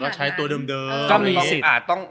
ก็ใช้ตัวเดิมก็มีสิทธิ์